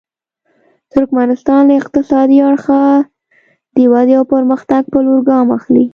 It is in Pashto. ترکمنستان له اقتصادي اړخه د ودې او پرمختګ په لور ګام اخلي.